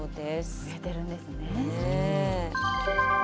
売れてるんですね。